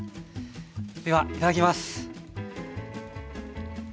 ではいただきます。